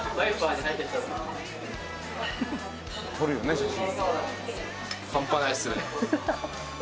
撮るよね写真。